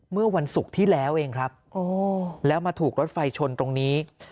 เมื่อวันศุกร์ที่แล้วเองครับแล้วมาถูกรถไฟชนตรงนี้